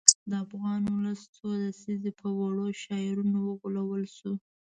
د افغان ولس څو لسیزې په وړو شعارونو وغولول شو.